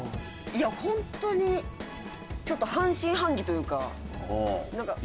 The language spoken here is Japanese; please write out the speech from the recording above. いや本当にちょっと半信半疑というかなんか。